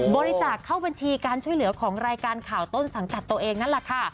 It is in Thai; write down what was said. บริจาคเข้าบัญชีการช่วยเหลือของรายการข่าวต้นสังกัดตัวเองนั่นแหละค่ะ